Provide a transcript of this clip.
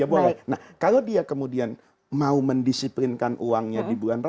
berkaitan dengan pertanyaan